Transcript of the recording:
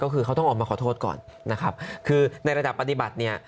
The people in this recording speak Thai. คือในระดับปฏิบัติเนี่ย